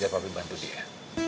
biar papi bantu dia